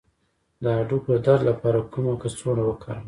د هډوکو د درد لپاره کومه کڅوړه وکاروم؟